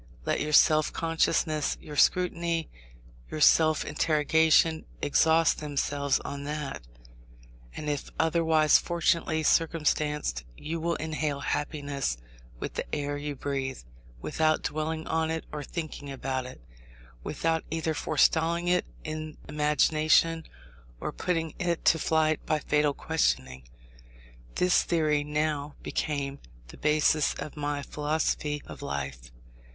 Let your self consciousness, your scrutiny, your self interrogation, exhaust themselves on that; and if otherwise fortunately circumstanced you will inhale happiness with the air you breathe, without dwelling on it or thinking about it, without either forestalling it in imagination, or putting it to flight by fatal questioning. This theory now became the basis of my philosophy of life.